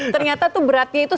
ternyata tuh beratnya itu